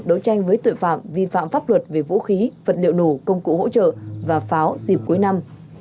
đấu tranh với tội phạm vi phạm pháp luật về vũ khí vật liệu nổ công cụ hỗ trợ và pháo dịp cuối năm